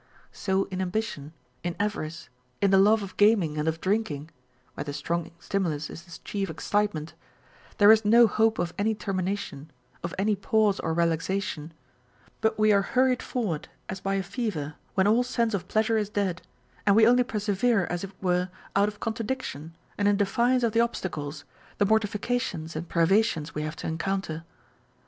So in ambition, in avarice, in the love of gaming and of drinking (where the strong stimulus is the chief excitement), there is no hope of any termination, of any pause or relaxation ; but we are hurried forward, as by a fever, when all sense of pleasure is dead, and we only persevere as it were out of contradiction, and in defiance of the obstacles, the mortifications and privations we have to encounter.